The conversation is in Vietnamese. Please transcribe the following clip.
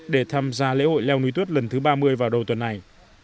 để tham gia lễ hội leo núi tuyết lần thứ ba mươi vào đầu tuần này